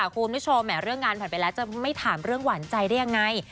คุณผู้ชมเรื่องงานผ่านไปแล้วจะไม่ถามเรื่องหวานใจได้ยังไง